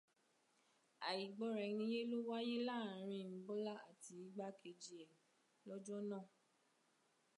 Àìgbọ́raẹniyé ló wáyé láàrín Bọ́lá ài igbákejì ẹ̀ lọ́jọ́ náà